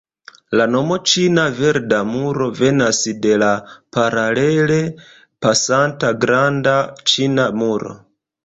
La nomo Ĉina Verda Muro venas de la paralele pasanta Granda Ĉina Muro.